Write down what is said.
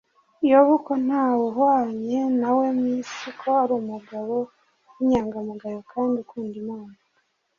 yobu ko nta wuhwanye na we mu isi ko ari umugabo w’inyangamugayo kandi ukunda imana